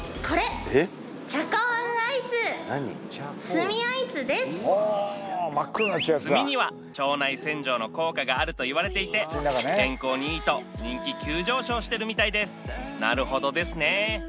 すごいがあるといわれていて健康にいいと人気急上昇してるみたいですなるほどですね